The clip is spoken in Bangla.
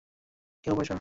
কেউ বসবে না।